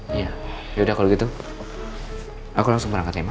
iya yaudah kalau gitu aku langsung perangkatnya ma